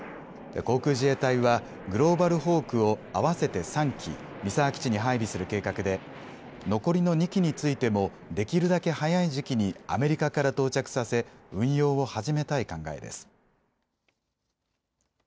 航空自衛隊はグローバルホークを合わせて３機三沢基地に配備する計画で残りの２機についてもできるだけ早い時期にアメリカから到着させ運用を始めたい考えです。